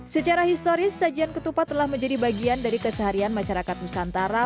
secara historis sajian ketupat telah menjadi bagian dari keseharian masyarakat nusantara